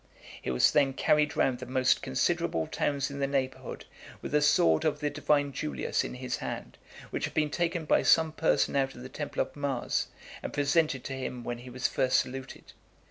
He was then carried round the most considerable towns in the neighbourhood, with the sword of the Divine Julius in his hand; which had been taken by some person out of the temple of Mars, and presented to him when he was first saluted.